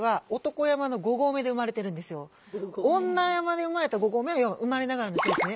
女山に生まれた５合目要は生まれながらの人ですね。